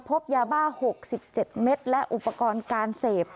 พบยาบ้า๖๗เม็ดและอุปกรณ์การเสพ